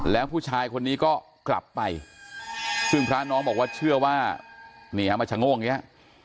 แล้วผู้ชายคนนี้ก็กลับไปซึ่งพระน้องบอกว่าเชื่อว่านี่ฮะมาชะโงกอย่างนี้